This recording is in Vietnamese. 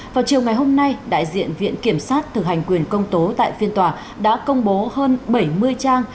vào chiều ngày hôm nay đại diện viện kiểm sát thực hành quyền công tố tại phiên tòa đã công bố hơn bảy mươi trang